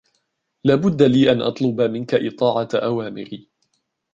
لا بد لي أن أطلب منك إطاعة أوامري.